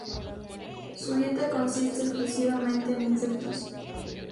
Su dieta consiste exclusivamente en insectos.